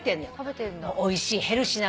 「おいしい」「ヘルシー」